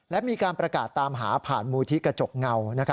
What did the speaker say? และมีการประกาศตามหาผ่านมูลที่กระจกเงา